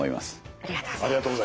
ありがとうございます。